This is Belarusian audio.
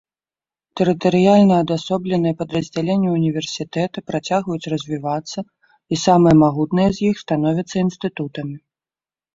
Тэрытарыяльна адасобленыя падраздзяленні ўніверсітэта працягваюць развівацца і самыя магутныя з іх становяцца інстытутамі.